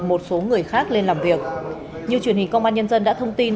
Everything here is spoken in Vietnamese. một số người khác lên làm việc như truyền hình công an nhân dân đã thông tin